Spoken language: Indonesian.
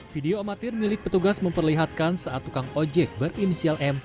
video amatir milik petugas memperlihatkan saat tukang ojek berinisial m